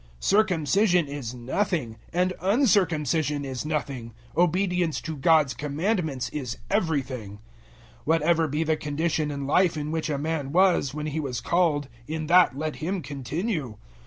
007:019 Circumcision is nothing, and uncircumcision is nothing: obedience to God's commandments is everything. 007:020 Whatever be the condition in life in which a man was, when he was called, in that let him continue.